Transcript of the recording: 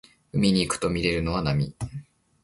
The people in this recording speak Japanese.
海に行くとみれるのは波